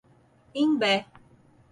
Imbé